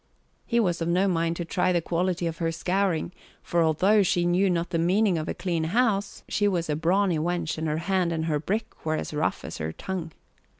He was of no mind to try the quality of her scouring, for although she knew not the meaning of a clean house, she was a brawny wench and her hand and her brick were as rough as her tongue.